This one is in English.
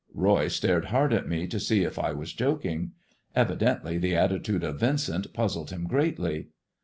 Roy stared hard at me to see if I were joking. Evi dently the attitude of Yincent puzzled him greatly.